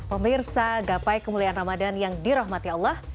pemirsa gapai kemuliaan ramadan yang dirahmati allah